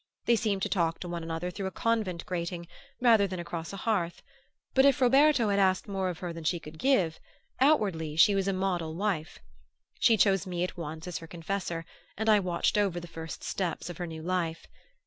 They seemed to talk to one another through a convent grating, rather than across a hearth; but if Roberto had asked more of her than she could give, outwardly she was a model wife. She chose me at once as her confessor and I watched over the first steps of her new life.